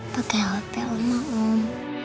pakai hp om